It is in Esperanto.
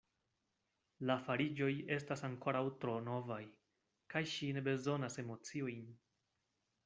La fariĝoj estas ankoraŭ tro novaj; kaj ŝi ne bezonas emociojn.